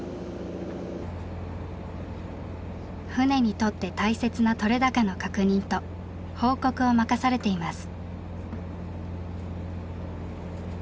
船にとって大切な取れ高の確認と報告を任されています。